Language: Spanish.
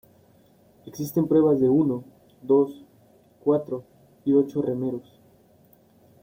Existen pruebas de uno, dos, cuatro y ocho remeros.